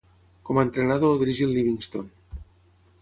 Com a entrenador dirigí el Livingston.